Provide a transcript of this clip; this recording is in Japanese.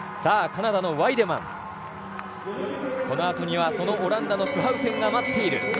カナダのワイデマンこのあとにはオランダのスハウテンが待っている。